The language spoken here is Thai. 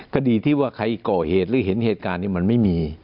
คดีที่ว่าใครก่อเหตุหรือเห็นเหตุการณ์นี้มันไม่มี